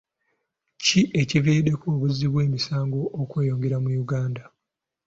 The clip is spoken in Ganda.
Ki ekiviiriddeko obuzzi bw'emisango okweyongera mu Uganda?